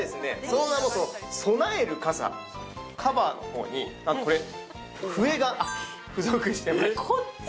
その名もそなえる傘カバーのほうになんとこれ笛が付属してますこっち？